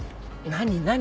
何？